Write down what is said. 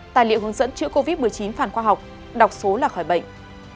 tài liệu hướng dẫn chữa covid một mươi chín phản khoa học đọc số là khỏi bệnh